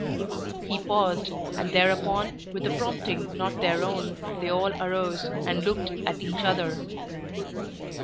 He paused, and thereupon, with a prompting not their own, they all arose, and looked at each other.